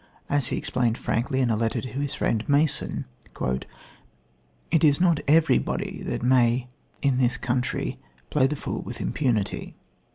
As he explained frankly in a letter to his friend Mason: "It is not everybody that may in this country play the fool with impunity."